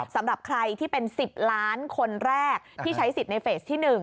สำหรับใครที่เป็น๑๐ล้านคนแรกที่ใช้สิทธิ์ในเฟสที่๑